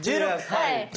はい。